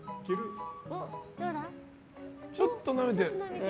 ちょっとなめてる。